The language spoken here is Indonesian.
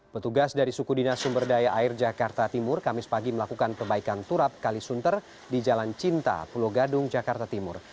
petugas dari suku dinas sumber daya air jakarta timur kamis pagi melakukan perbaikan turap kali sunter di jalan cinta pulau gadung jakarta timur